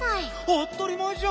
あったりまえじゃん。